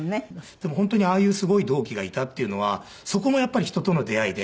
でも本当にああいうすごい同期がいたっていうのはそこもやっぱり人との出会いで。